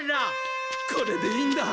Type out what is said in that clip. これでいいんだ！